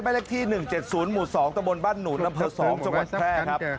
ไปเล็กที่หนึ่งเจ็ดศูนย์หมู่สองตะบนบ้านหนุนลำเผอสองจังหวัดแพร่ครับ